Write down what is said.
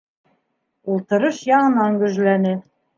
Ултырыш яңынан гөжләне.